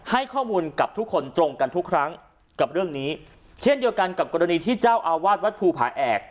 ให้ข้อมูลกับทุกคนตรงกันทุกครั้งกับเรื่องนี้เช่นเดียวกันกับกรณีที่เจ้าอาวาสวัดภูผาแอก